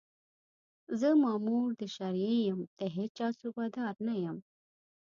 زه مامور د شرعي یم، د هېچا صوبه دار نه یم